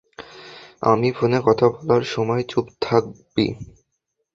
আমি ফোনে কথা বলার সময় চুপ থাকবি।